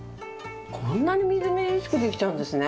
こんなにみずみずしくできちゃうんですね。